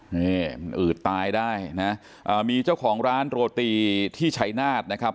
นี่มันอืดตายได้นะอ่ามีเจ้าของร้านโรตีที่ชัยนาธนะครับ